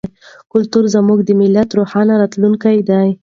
کلتور زموږ د ملت روښانه راتلونکی دی.